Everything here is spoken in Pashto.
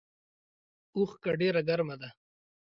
اوښکه ډیره ګرمه ده